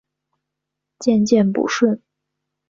渐渐不顺